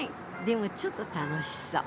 でもちょっと楽しそう。